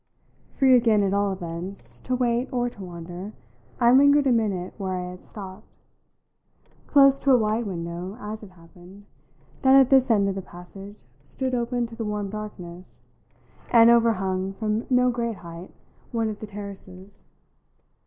Free again, at all events, to wait or to wander, I lingered a minute where I had stopped close to a wide window, as it happened, that, at this end of the passage, stood open to the warm darkness and overhung, from no great height, one of the terraces.